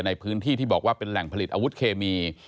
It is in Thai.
ในพื้นที่ที่บอกว่าเป็นแหล่งผลิตอาวุธเคมี